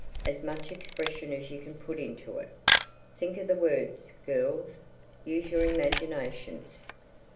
As much expression as you can put into it. Think of the words, girls. Use your imaginations.